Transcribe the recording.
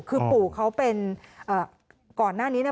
คือปู่เขาเป็นก่อนหน้านี้เนี่ย